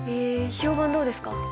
評判どうですか？